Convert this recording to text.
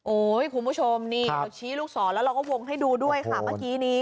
คุณผู้ชมนี่เราชี้ลูกศรแล้วเราก็วงให้ดูด้วยค่ะเมื่อกี้นี้